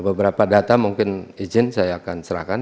beberapa data mungkin izin saya akan serahkan